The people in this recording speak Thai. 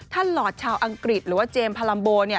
หลอดชาวอังกฤษหรือว่าเจมส์พาลัมโบ